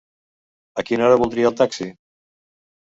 A quina hora voldria el taxi?